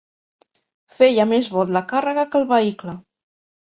Feia més bot la càrrega que el vehicle.